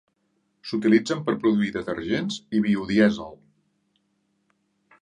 S'utilitzen per produir detergents i biodièsel.